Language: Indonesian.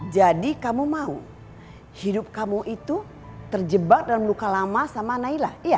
jadi kamu mau hidup kamu itu terjebak dan meluka lama sama nayla iya